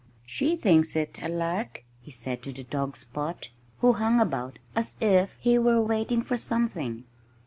"She thinks it a lark," he said to the dog Spot, who hung about as if he were waiting for something.